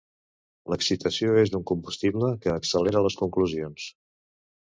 L'excitació és un combustible que accelera les conclusions.